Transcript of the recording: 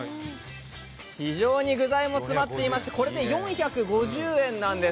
非常に具材も詰まっていましてこれで４５０円なんです。